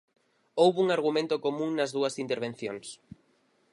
Houbo un argumento común nas dúas intervencións.